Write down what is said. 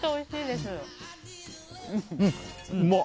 うまっ。